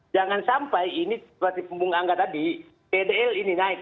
jangan sampai ini seperti pembung angga tadi pdl ini naik